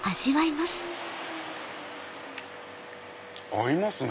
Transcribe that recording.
合いますね。